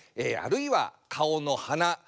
あるいは顔の「はな」。